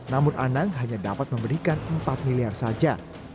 namun anang hanya dapat memberikan empat miliar saja